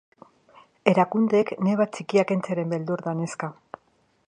Erakundeek neba txikia kentzearen beldur da neska.